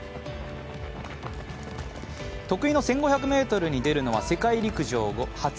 得意の１５００ｍに出るのは世界陸上後初。